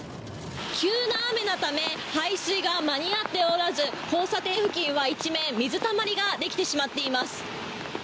急な雨のため排水が間に合っておらず交差点付近は一面、水たまりができてしまっています。